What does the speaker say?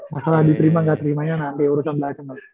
masalah diterima gak terimanya nanti urusan belakang